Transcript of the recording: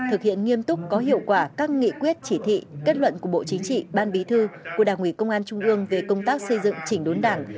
thực hiện nghiêm túc có hiệu quả các nghị quyết chỉ thị kết luận của bộ chính trị ban bí thư của đảng ủy công an trung ương về công tác xây dựng chỉnh đốn đảng